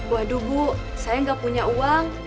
waduh bu saya nggak punya uang